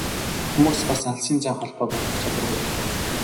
Хүмүүс бас алсын зайн холбоог ойлгох чадваргүй байлаа.